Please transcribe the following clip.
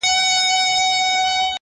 نه به په موړ سې نه به وتړې بارونه.!